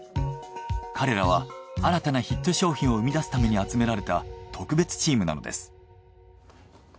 彼らは新たなヒット商品を生み出すために集められた特別チームなのです。